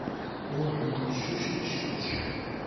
Ruḥen qeccuc meccuc.